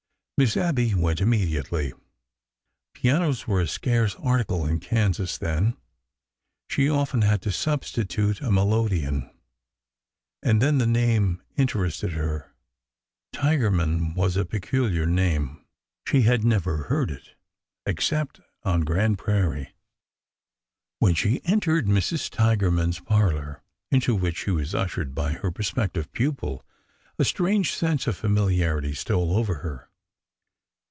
Miss Abby went immediately. Pianos were a scarce article in Kansas then ; she often had to substitute a me lodeon. And then the name interested her,— Tigerman was a peculiar name, she had never heard it except on Grand Prairie. When she entered Mrs. Tigerman's parlor, into which she was ushered by her prospective pupil, a strange sense of familiarity stole over her.